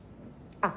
あっ。